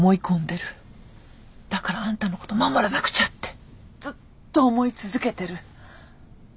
だからあんたのこと守らなくちゃってずっと思い続けてる。